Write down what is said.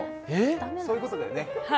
そういうことだよね？